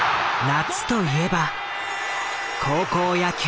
夏といえば高校野球。